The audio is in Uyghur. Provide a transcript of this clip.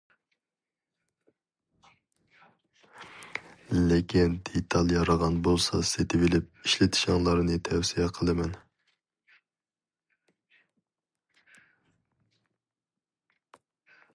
لېكىن دېتال يارىغان بولسا سېتىۋېلىپ ئىشلىتىشىڭلارنى تەۋسىيە قىلىمەن.